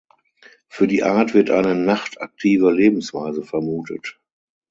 Für die Art wird eine nachtaktive Lebensweise vermutet.